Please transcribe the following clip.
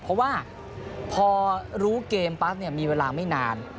เพราะว่าพอรู้เกมปั๊บเนี่ยมีเวลาไม่นาน